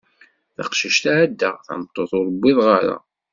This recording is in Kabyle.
D taqcict ɛeddaɣ, d tameṭṭut ur iwiḍeɣ ara.